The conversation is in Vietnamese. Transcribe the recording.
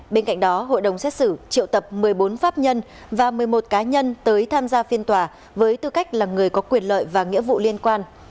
bên cạnh đó hội đồng xét xử triệu tập một mươi bốn pháp nhân và một mươi một cá nhân tới tham gia phiên tòa với tư cách là người có quyền lợi và nghĩa vụ liên quan